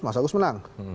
mas agus menang